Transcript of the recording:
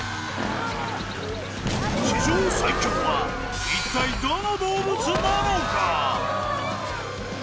地上最強は一体どの動物なのか？